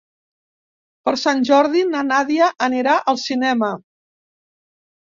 Per Sant Jordi na Nàdia anirà al cinema.